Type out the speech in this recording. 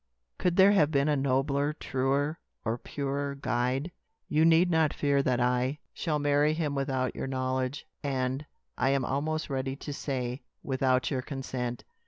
Could there have been a nobler, truer, or purer guide? You need not fear that I shall marry him without your knowledge, and, I am almost ready to say, without your consent.